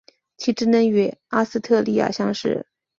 其职能与阿斯特莉亚相似。